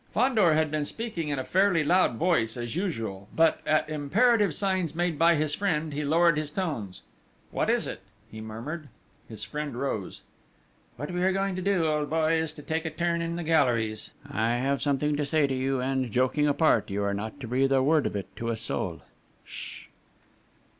Fandor had been speaking in a fairly loud voice, as usual, but, at imperative signs made by his friend, he lowered his tones: "What is it?" he murmured. His friend rose: "What we are going to do, old boy, is to take a turn in the galleries! I have something to say to you, and, joking apart, you are not to breathe a word of it to a soul sh?"